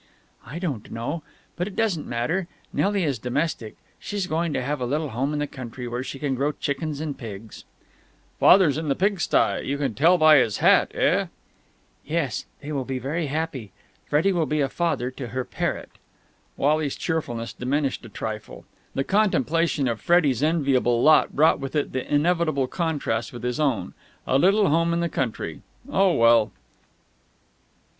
"I don't know. But it doesn't matter. Nelly is domestic. She's going to have a little home in the country, where she can grow chickens and pigs." "Father's in the pigstye, you can tell him by his hat, eh?" "Yes. They will be very happy. Freddie will be a father to her parrot." Wally's cheerfulness diminished a trifle. The contemplation of Freddie's enviable lot brought with it the inevitable contrast with his own. A little home in the country.... Oh, well!